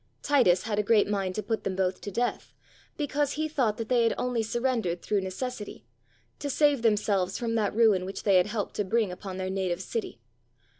Titus had a great mind to put them both to death, because he thought that they had only surrendered through neces sity, to save themselves from that ruin which they had helped to bring upon their native city.